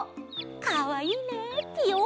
かわいいね。